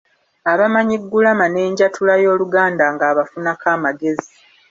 Abamanyi ggulama n'enjatula y'Oluganda ng’abafunako amagezi.